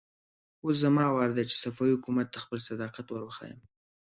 اوس زما وار دی چې صفوي حکومت ته خپل صداقت ور وښيم.